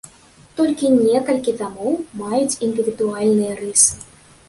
Толькі некалькі дамоў маюць індывідуальныя рысы.